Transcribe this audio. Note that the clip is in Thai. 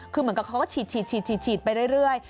คือเหมือนกับเขาก็ฉีดไปเรื่อย